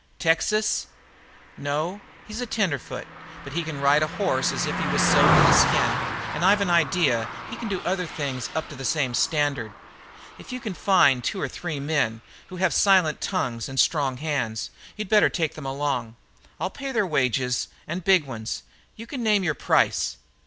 "Texas?" "No. He's a tenderfoot, but he can ride a horse as if he was sewed to the skin, and I've an idea that he can do other things up to the same standard. If you can find two or three men who have silent tongues and strong hands, you'd better take them along. I'll pay their wages, and big ones. You can name your price."